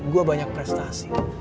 gue banyak prestasi